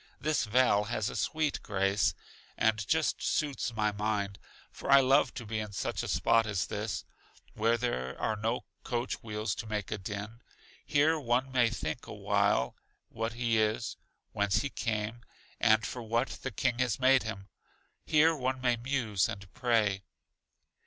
This vale has a sweet grace, and just suits my mind; for I love to be in such a spot as this, where there are no coach wheels to make a din. Here one may think a while what he is, whence he came, and for what the King has made him; here one may muse and pray.